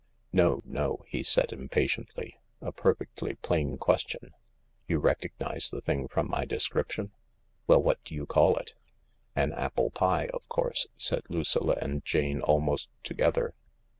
"No, no," he said impatiently; "a perfectly plain ques tion. You recognise the thing from my description ? Well, what do you call it ?" 122 THE LARK " An apple pie, of course," said Lucilla and Jane almost together.